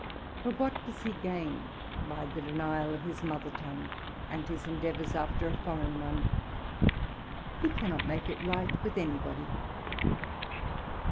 But what does he gain by the denial of his mother tongue, and his efforts of speaking a foreign lan guage? He cannot make it right with anybody.